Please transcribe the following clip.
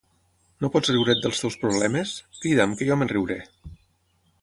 No pots riure't dels teus problemes? Crida'm, que jo me'n riuré.